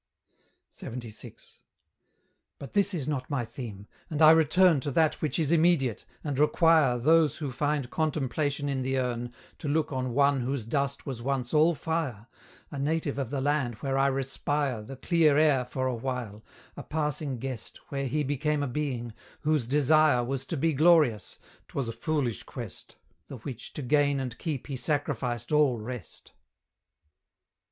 LXXVI. But this is not my theme; and I return To that which is immediate, and require Those who find contemplation in the urn, To look on One whose dust was once all fire, A native of the land where I respire The clear air for awhile a passing guest, Where he became a being, whose desire Was to be glorious; 'twas a foolish quest, The which to gain and keep he sacrificed all rest.